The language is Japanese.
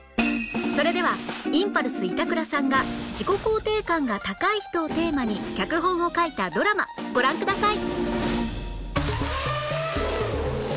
それではインパルス板倉さんが自己肯定感が高い人をテーマに脚本を書いたドラマご覧ください